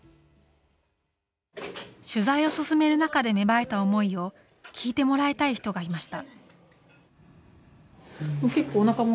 取材を進める中で芽生えた思いを聞いてもらいたい人がいました。